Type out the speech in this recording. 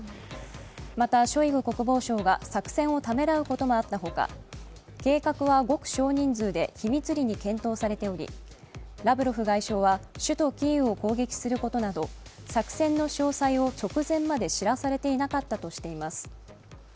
また、ショイグ国防相は作戦をためらうこともあったほか計画はごく少人数で秘密裏に検討されておりラブロフ外相は首都キーウを攻撃することなど作戦の詳細を直前まで知らされていなかったとしています。